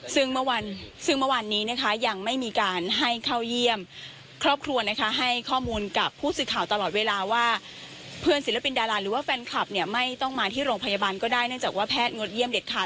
ซึ่งเมื่อวันซึ่งเมื่อวานนี้นะคะยังไม่มีการให้เข้าเยี่ยมครอบครัวนะคะให้ข้อมูลกับผู้สื่อข่าวตลอดเวลาว่าเพื่อนศิลปินดาราหรือว่าแฟนคลับเนี่ยไม่ต้องมาที่โรงพยาบาลก็ได้เนื่องจากว่าแพทย์งดเยี่ยมเด็ดขาด